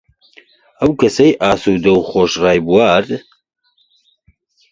ئەو کەسەی ئاسوودەو و خۆش ڕایبوارد،